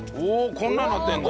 こんななってんだ。